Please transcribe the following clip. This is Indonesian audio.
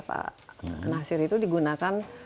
pak nasir itu digunakan